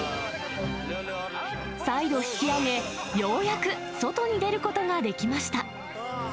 再度引き上げ、ようやく外に出ることができました。